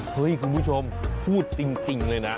คุณผู้ชมพูดจริงเลยนะ